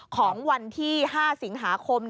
ของวันที่๕สิงหาคม